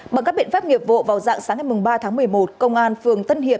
bằng các biện pháp nghiệp vụ vào dạng sáng ngày ba tháng một mươi một công an phường tân hiệp